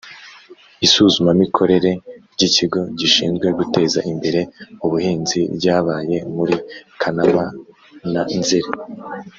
Isuzumamikorere ry Ikigo gishinzwe guteza imbere ubuhinzi ryabaye muri Kanama na Nzeli